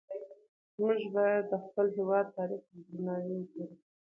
موږ باید د خپل هېواد تاریخ ته په درناوي وګورو.